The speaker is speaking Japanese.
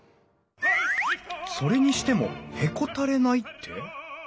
それにしても「へこたれない」って？